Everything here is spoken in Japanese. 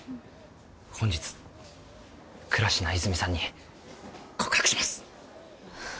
本日倉科泉さんに告白します